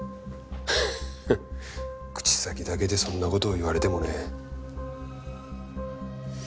フフッ口先だけでそんな事を言われてもね。